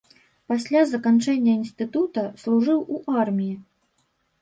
Пасля заканчэння інстытута служыў у арміі.